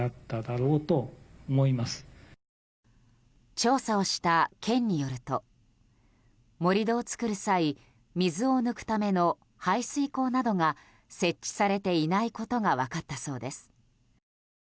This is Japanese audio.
調査をした県によると盛り土を作る際水を抜くための排水溝などが設置されていないことが分かったそうです。